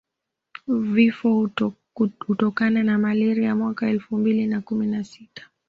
Vifo kutokana na malaria mwaka elfu mbili na kumi na sita